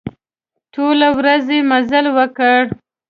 ټوله ورځ يې مزل وکړ.